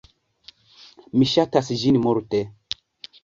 Mi ŝatas ĝin multe!